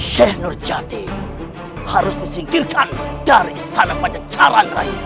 syeh nurjati harus disingkirkan dari istana pancacaran raih